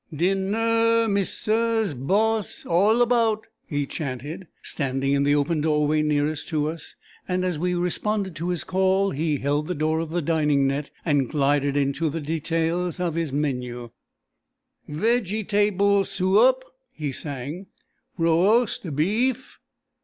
"Din ner! Mis sus! Boss! All about!" he chanted, standing in the open doorway nearest to us; and as we responded to his call, he held the door of the dining net and glided into the details of his menu: "Veg e table Soooup!" he sang: "Ro oast Bee ef!